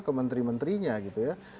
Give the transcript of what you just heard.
ke menteri menterinya gitu ya